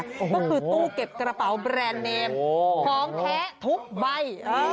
ก็คือตู้เก็บกระเป๋าแบรนด์เนมของแท้ทุกใบ